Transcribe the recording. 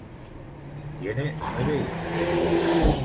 Tiene nueve hijos.